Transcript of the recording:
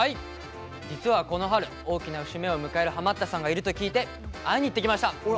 実はこの春大きな節目を迎えるハマったさんがいると聞いて会いに行ってきました。